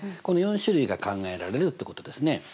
この４種類が考えられるってことですね。